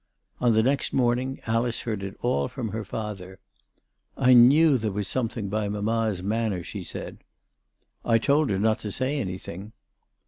On the next morning Alice heard it all from her father. " I knew there was something by mamma's manner," she said. " I told her not to say anything."